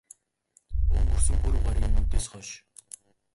Өнгөрсөн пүрэв гаригийн үдээс хойш.